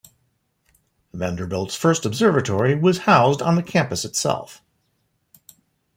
Vanderbilt's first observatory was housed on the campus itself.